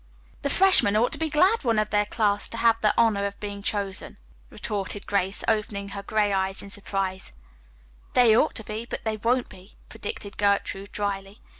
"The freshmen ought to be glad one of their class is to have the honor of being chosen," retorted Grace, opening her gray eyes in surprise. "They ought to, but they won't be," predicted Gertrude dryly.